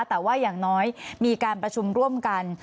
แต่ว่าอย่างน้อยมีการประชุมร่วมกัน